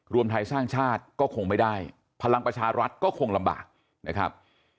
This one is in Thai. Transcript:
รวมไทยสร้างชาติก็คงไม่ได้พลังประชารัฐก็คงลำบากนะครับ